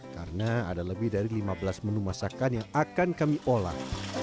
karena ada lebih dari lima belas menu masakan yang akan kami olah